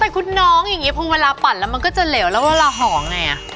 แต่คุณน้องอย่างนี้พอเวลาปั่นแล้วมันก็จะเหลวแล้วเวลาห่อไง